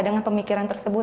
dengan pemikiran tersebut